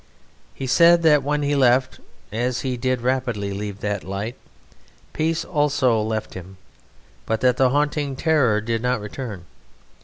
He said that when he left (as he did rapidly leave) that light, peace also left him, but that the haunting terror did not return.